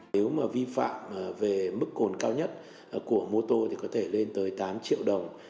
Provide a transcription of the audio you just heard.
nếu mà vi phạm về mức cồn cao nhất của mô tô thì có thể lên tới tám triệu đồng